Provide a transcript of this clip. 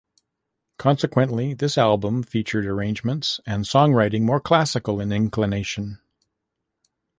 Consequently, this album featured arrangements and songwriting more classical in inclination.